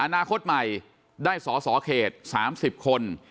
อนาคตใหม่ได้สอสอเขต๓๐คน